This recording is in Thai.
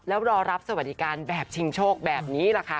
แล้วรอรับสวัสดิการแบบชิงโชคแบบนี้แหละค่ะ